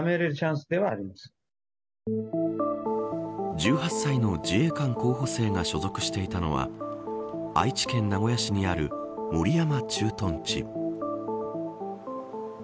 １８歳の自衛官候補生が所属していたのは愛知県、名古屋市にある守山駐屯地。